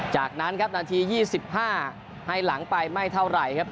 จากนั้นครับนักทียี่สิบห้าให้หลังไปไม่เท่าไรครับ